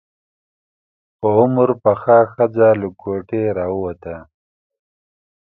په عمر پخه ښځه له کوټې راووته.